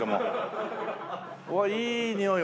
わあいいにおい。